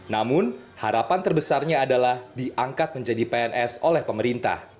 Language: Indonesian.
namun harapan terbesarnya adalah diangkat menjadi pns oleh pemerintah